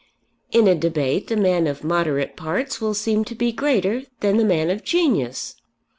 In a debate, the man of moderate parts will seem to be greater than the man of genius.